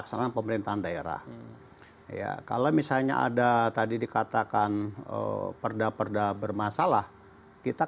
karena dua hari sebelumnya kita sudah datang juga di situ